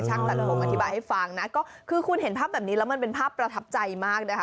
ตัดผมอธิบายให้ฟังนะก็คือคุณเห็นภาพแบบนี้แล้วมันเป็นภาพประทับใจมากนะคะ